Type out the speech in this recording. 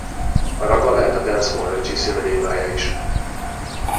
A ragga lehet a dancehall reggae szinonimája is.